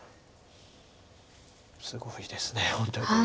すごいですね本当に。